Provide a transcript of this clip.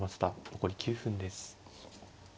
残り９分です。